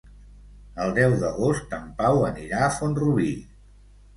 El deu d'agost en Pau anirà a Font-rubí.